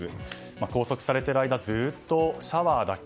拘束されている間ずっとシャワーだけ。